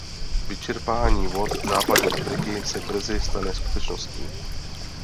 Vyčerpání vod západní Afriky se brzy stane skutečností.